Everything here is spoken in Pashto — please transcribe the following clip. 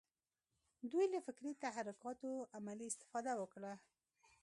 دوی له فکري تحرکاتو عملي استفاده وکړه.